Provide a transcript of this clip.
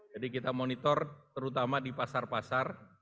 jadi kita monitor terutama di pasar pasar